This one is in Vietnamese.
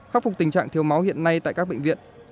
khắc phục tình trạng thiếu máu hiện nay tại các bệnh viện